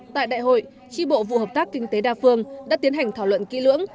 tại đại hội tri bộ vụ hợp tác kinh tế đa phương đã tiến hành thảo luận kỹ lưỡng